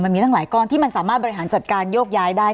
มันมีตั้งหลายก้อนที่มันสามารถบริหารจัดการโยกย้ายได้